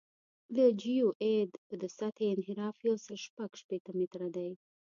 د جیوئید د سطحې انحراف یو سل شپږ شپېته متره دی